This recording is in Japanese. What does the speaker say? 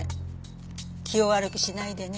気を悪くしないでね。